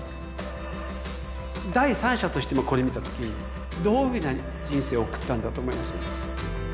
第三者として今これ見た時どういう人生を送ったんだと思います？